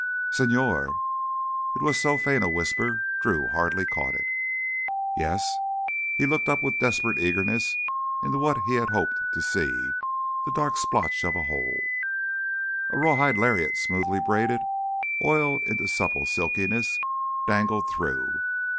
"Señor—?" It was so faint a whisper Drew hardly caught it. "Yes!" He looked up with desperate eagerness into what he had hoped to see—the dark splotch of a hole. A rawhide lariat smoothly braided, oiled into supple silkiness, dangled through.